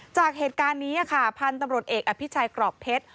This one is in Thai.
จากเหตุการณ์นี้ค่ะพันธุ์ตำรวจเอกอภิชัยกรอบเพชร